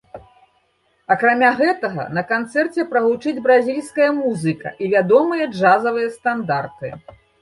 Акрамя гэтага, на канцэрце прагучыць бразільская музыка і вядомыя джазавыя стандарты.